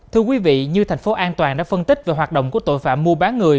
thưa quý vị như thành phố an toàn đã phân tích về hoạt động của tội phạm mua bán người